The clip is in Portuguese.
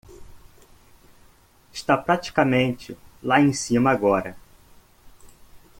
Está praticamente lá em cima agora.